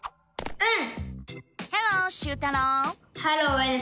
うん！